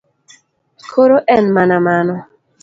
Koro en mana mano.